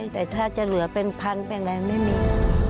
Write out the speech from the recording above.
แต่ถ้าจะเหลือเป็น๑๐๐๐ลูกเป็นอย่างไรไม่มี